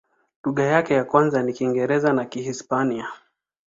Lugha yake ya kwanza ni Kiingereza na Kihispania.